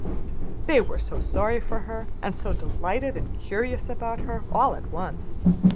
They were so sorry for her, and so delighted and curious about her, all at once.